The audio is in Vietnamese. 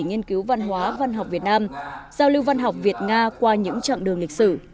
nghiên cứu văn hóa văn học việt nam giao lưu văn học việt nga qua những chặng đường lịch sử